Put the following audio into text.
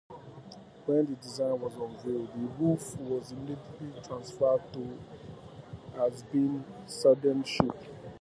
When the design was unveiled, the roof was immediately referred to as being saddle-shaped.